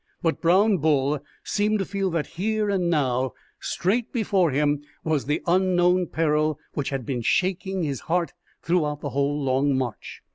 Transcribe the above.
But Brown Bull seemed to feel that here and now, straight before him, was the unknown peril which had been shaking his heart throughout the whole long march.